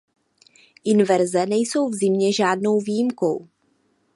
Inverze nejsou v zimě žádnou výjimkou.